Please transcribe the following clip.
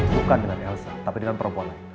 bukan dengan elsa tapi dengan perempuan lain